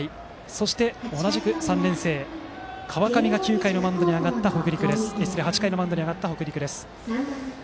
そして、同じく３年生の川上が８回のマウンドに上がった北陸。